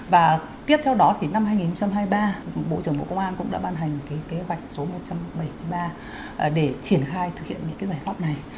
và tiếp theo đó thì năm hai nghìn hai mươi ba bộ trưởng bộ công an cũng đã ban hành cái kế hoạch số một trăm bảy mươi ba để triển khai thực hiện những cái giải pháp này